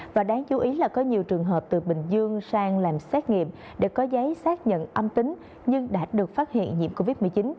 và đáng chú ý là có nhiều trường hợp từ bình dương sang làm xét nghiệm để có giấy xác nhận âm tính nhưng đã được phát hiện nhiễm covid một mươi chín